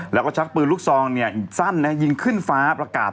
แล้วก็ชักปืนลูกซองสั้นยิงขึ้นฟ้าประกาศ